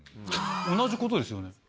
同じことですよね。